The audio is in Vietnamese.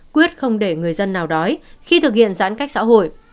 quyết không để người dân nào đói khi thực hiện giãn cách xã hội